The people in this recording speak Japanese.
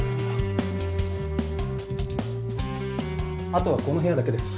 あとはこの部屋だけです。